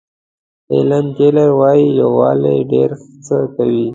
هیلن کیلر وایي یووالی ډېر څه کوي.